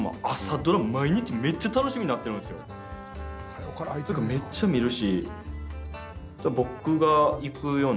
なんか、めっちゃ見るし。